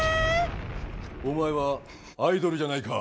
お前はアイドルじゃないか。